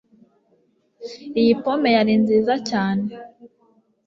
iyo pome yari nziza cyane